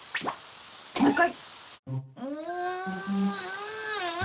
もう１回！